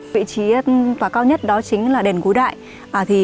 vị trí tòa cao nhất đó chính là đền gối đại